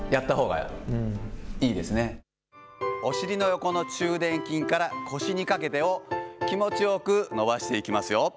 横の中殿筋から腰にかけてを気持ちよく伸ばしていきますよ。